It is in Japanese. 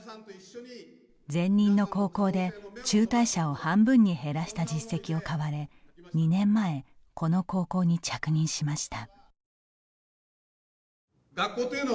前任の高校で中退者を半分に減らした実績を買われ２年前、この高校に着任しました。